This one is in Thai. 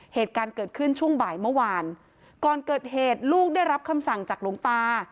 เหตุการณ์เกิดขึ้นช่วงบ่ายเมื่อวานก่อนเกิดเหตุลูกได้รับคำสั่งจากหลวงตา